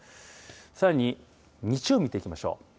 さらに日曜日見ていきましょう。